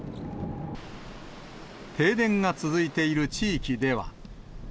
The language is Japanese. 停電が続いている地域では。